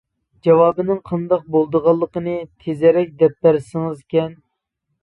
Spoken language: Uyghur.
جاۋابىنىڭ قانداق بولىدىغانلىقىنى تېزرەك دەپ بەرسىڭىزكەن.